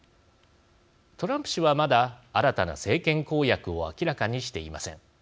トランプ氏はまだ新たな政権公約を明らかにしていません。